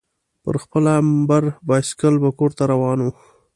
پر خپل امبر بایسکل به کورته روان وو.